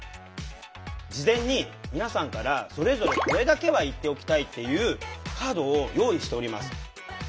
事前に皆さんからそれぞれこれだけは言っておきたいっていうカードを用意しております。